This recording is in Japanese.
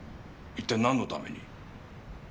一体なんのために？